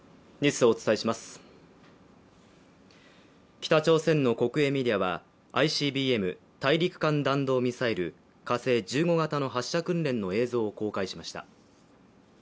北朝鮮の国営メディアはＩＣＢＭ＝大陸間弾道ミサイル火星１５型の発射訓練の映像を公開しました。